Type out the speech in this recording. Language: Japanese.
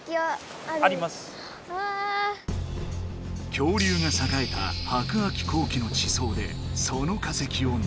恐竜がさかえた白亜紀後期の地層でその化石をねらう。